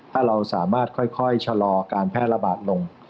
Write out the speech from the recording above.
ถ้าเราสามารถค่อยชะลอการแพร่ระบาดลง